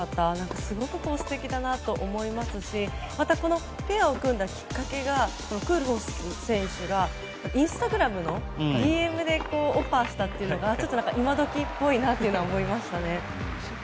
すごく素敵だなと思いますしまたこのペアを組んだきっかけがクールホフ選手がインスタグラムでオファーしたというのが今時っぽいなと思いましたね。